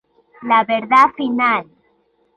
La verdad final.